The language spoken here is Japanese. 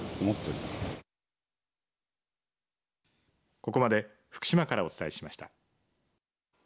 ここまで福島からお伝えしました。